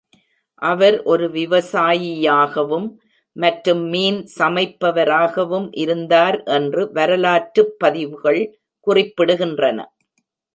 அவர் ஒரு விவசாயியாகவும் மற்றும் மீன் சமைப்பவராகவும் இருந்தார் என்று வரலாற்றுப் பதிவுகள் குறிப்பிடுகின்றன.